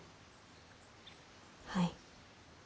はい。